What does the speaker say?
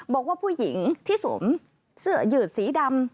บอกว่าผู้หญิงที่สวมเสื้อยืดสีดำ